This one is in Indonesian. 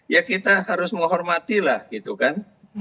ya kita harus menghormatilah gitu kan